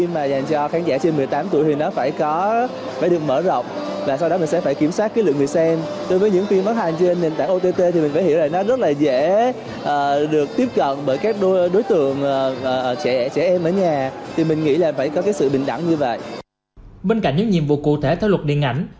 bên cạnh những nhiệm vụ cụ thể theo luật điện ảnh